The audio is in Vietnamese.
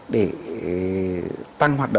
để tăng bong chóc